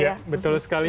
iya betul sekali